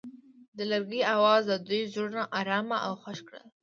د لرګی اواز د دوی زړونه ارامه او خوښ کړل.